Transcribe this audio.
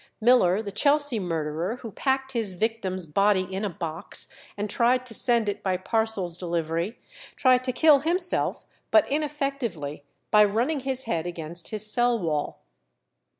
Miller, the Chelsea murderer, who packed his victim's body in a box, and tried to send it by parcels delivery, tried to kill himself, but ineffectively, by running his head against his cell wall.